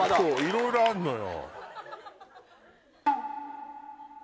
いろいろあるのよ。